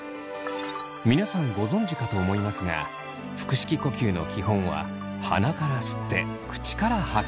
皆さんご存じかと思いますが腹式呼吸の基本は鼻から吸って口から吐く。